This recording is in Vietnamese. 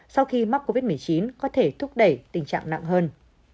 sau khi mắc covid một mươi chín có thể thúc đẩy tình trạng nặng hơn